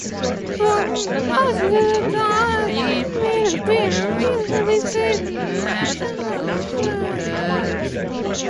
For much of that time, it had been a reasonably safe National seat.